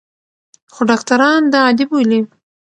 خو ډاکټران دا عادي بولي.